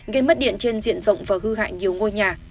gây mất điện trên diện rộng và hư hại nhiều ngôi nhà